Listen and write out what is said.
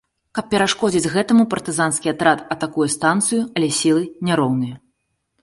Каб перашкодзіць гэтаму, партызанскі атрад атакуе станцыю, але сілы няроўныя.